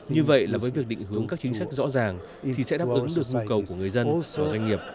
như vậy là với việc định hướng các chính sách rõ ràng thì sẽ đáp ứng được nhu cầu của người dân và doanh nghiệp